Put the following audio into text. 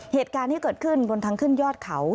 เหตุการณ์ที่เกิดขึ้นบนทางขึ้นยอดเขา